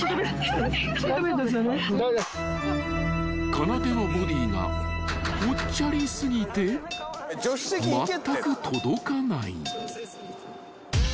［かなでのボディーがぽっちゃり過ぎてまったく届かない］